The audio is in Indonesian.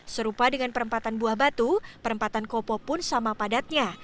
serupa dengan perempatan buah batu perempatan kopo pun sama padatnya